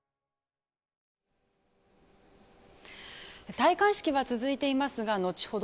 戴冠式は続いていますが後ほど